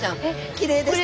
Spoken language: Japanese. きれいでしたよね。